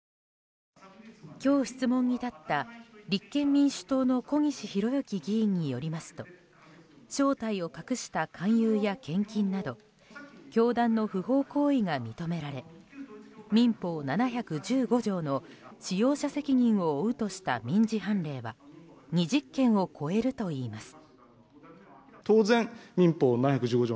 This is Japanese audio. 今日、質問に立った立憲民主党の小西洋之議員によりますと正体を隠した勧誘や献金など教団の不法行為が認められ民法７１５条の使用者責任を負うとした民事判例は２０件を超えるといいます。